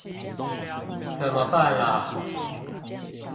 怎麼辦啦